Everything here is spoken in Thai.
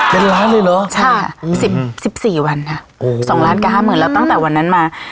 เป็นล้านเลยเหรอใช่สิบสิบสี่วันค่ะโอ้สองล้านกับห้าหมื่นแล้วตั้งแต่วันนั้นมา